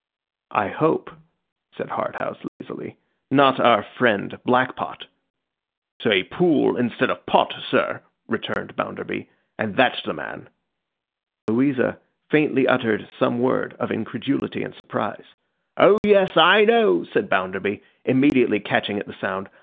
'I hope,' said Harthouse, lazily, 'not our friend Blackpot?' 'Say Pool instead of Pot, sir,' returned Bounderby, 'and that's the man.' Louisa faintly uttered some word of incredulity and surprise. 'O yes! I know!' said Bounderby, immediately catching at the sound.